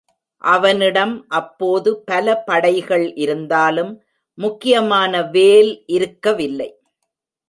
அவனிடம் அப்போது பல படைகள் இருந்தாலும், முக்கியமான வேல் இருக்கவில்லை.